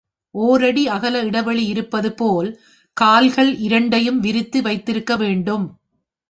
ஒரடி அகல இடைவெளி இருப்பது போல் கால்கள் இரண்டையும் விரித்து வைத்திருக்க வேண்டும்.